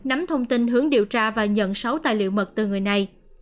nắm thông tin hướng điều tra và nhận sáu tài liệu mật từ người này